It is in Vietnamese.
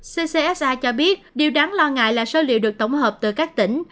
ccsa cho biết điều đáng lo ngại là số liệu được tổng hợp từ các tỉnh